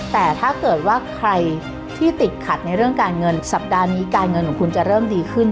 แต่ถ้าเกิดว่าใครที่ติดขัดในเรื่องการเงินสัปดาห์นี้การเงินของคุณจะเริ่มดีขึ้น